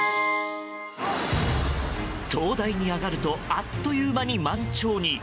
灯台に上がるとあっという間に満潮に。